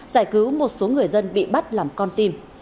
giải cứu một số người dân bị bắt làm con tim